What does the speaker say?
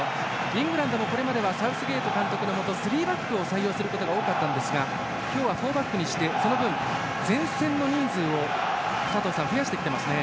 イングランドはこれまではサウスゲート監督のもとスリーバックを採用することが多かったですが今日はフォーバックにしてその分、前線の人数を増やしてきていますね。